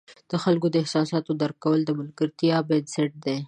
د خلکو د احساساتو درک کول د ملګرتیا بنسټ دی.